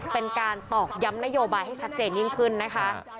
ตอกย้ำนโยบายให้ชัดเจนยิ่งขึ้นนะคะ